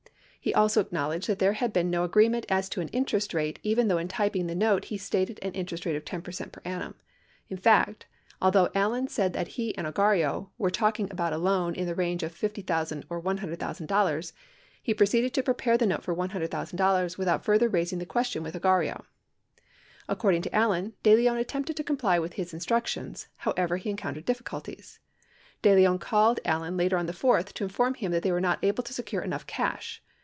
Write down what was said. He also acknowledged that there had been no agreement as to an interest rate even though in typing the note he stated an interest rate of 10 percent per annum. In fact, although Allen said that he and Ogarrio were talking about a loan in the range of $50,000 or $100,000, he proceeded to prepare the note for $100,000 without further raising the question with Ogarrio. According to Allen, De Leon attempted to comply with his instruc tions. However, he encountered difficulties. De Leon called Allen later on the 4th to inform him that they were not able to secure enough cash.